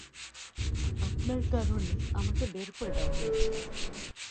আপনার কারণে আমাকে বের করে দেওয়া হয়েছে।